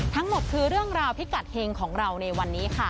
ทั้งหมดคือเรื่องราวพิกัดเฮงของเราในวันนี้ค่ะ